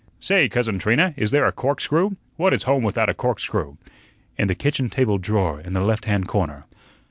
"Say, Cousin Trina, is there a corkscrew? What is home without a corkscrew?" "In the kitchen table drawer, in the left hand corner."